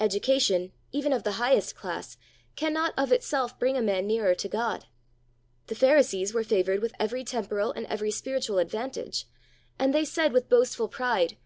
Education, even of the highest class, can not of itself bring a man nearer to God. The Pharisees were favored with every temporal and every spiritual advantage, and they said with boastful pride.